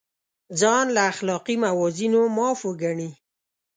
ځان له اخلاقي موازینو معاف وګڼي.